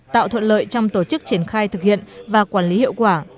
tạo thuận lợi trong tổ chức triển khai thực hiện và quản lý hiệu quả